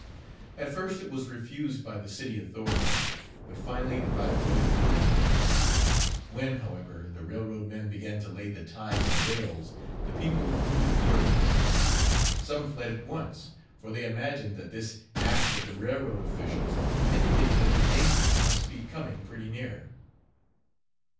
At first it was refused by the city authorities, but finally the right of way was granted. When, however, the railroad men began to lay the ties and rails, the people grew furious. Some fled at once, for they imagined that this act of the railroad officials indicated that the Yankees must be coming pretty near.